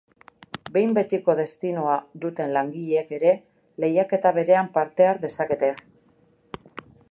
Behin-betiko destinoa duten langileek ere lehiaketa berean parte har dezakete.